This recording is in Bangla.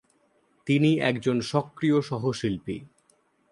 তিনি একজন সক্রিয় সহশিল্পী।